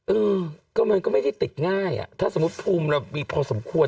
เออก็มันก็ไม่ได้ติดง่ายอ่ะถ้าสมมุติภูมิเรามีพอสมควร